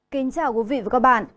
kính chào quý vị và các bạn